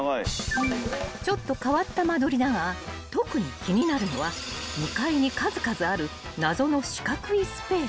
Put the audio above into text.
［ちょっと変わった間取りだが特に気になるのは２階に数々ある謎の四角いスペース］